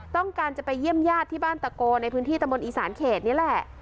ต้องการจะไปเยี่ยมญาติที่บ้านตะโกในพื้นที่ตะมนต์อีสานเขตนี่แหละ